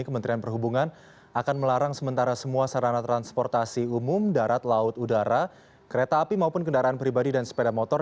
kementerian perhubungan akan melarang sementara semua sarana transportasi umum darat laut udara kereta api maupun kendaraan pribadi dan sepeda motor